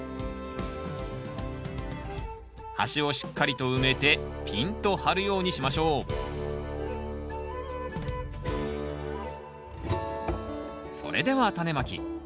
端をしっかりと埋めてピンと張るようにしましょうそれではタネまき。